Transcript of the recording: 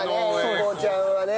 英孝ちゃんはね。